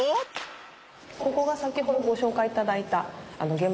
ココが先ほどご紹介いただいたあの。